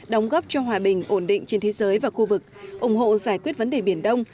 đóng góp cho hòa bình ổn định trên thế giới và khu vực ủng hộ giải quyết vấn đề biển đông